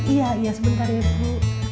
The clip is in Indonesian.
iya iya sebentar ya bu